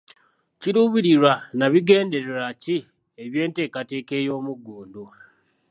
Kiruubirirwa na bigendererwa ki eby'enteekateeka ey'omuggundu?